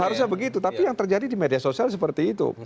harusnya begitu tapi yang terjadi di media sosial seperti itu